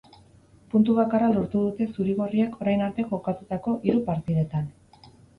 Puntu bakarra lortu dute zuri-gorriek orain arte jokatutako hiru partidetan.